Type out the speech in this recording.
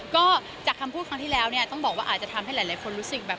ก็จากคำพูดครั้งที่แล้วเนี่ยต้องบอกว่าอาจจะทำให้หลายคนรู้สึกแบบ